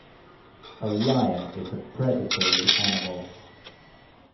A lion is a predatory animal.